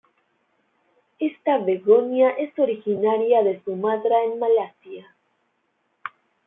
Esta begonia es originaria de Sumatra en Malasia.